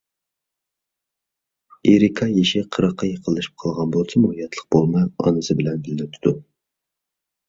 ئېرىكا يېشى قىرىققا يېقىنلىشىپ قالغان بولسىمۇ، ياتلىق بولماي ئانىسى بىلەن بىللە ئۆتىدۇ.